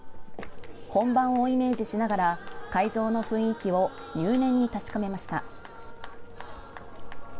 本番をイメージしながら会場の雰囲気を入念に確かめました。